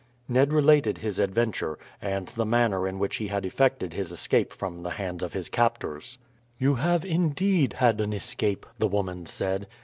Ned related his adventure, and the manner in which he had effected his escape from the hands of his captors. "You have, indeed, had an escape," the woman said.